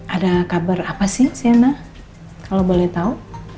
ada kabar apa sih shena kalau boleh tahu